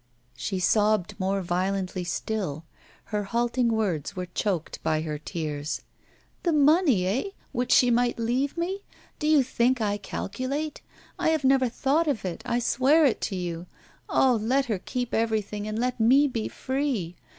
She sobbed more violently still; her halting words were choked by her tears. 'The money, eh? which she might leave me? Do you think I calculate? I have never thought of it, I swear it to you! Ah! let her keep everything and let me be free!